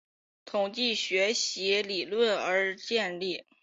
统计学习理论而建立。